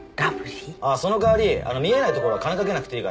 その代わり見えないところは金かけなくていいから。